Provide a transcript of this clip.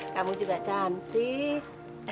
kamu juga cantik